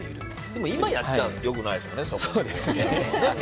でも今、やっちゃ良くないですよね。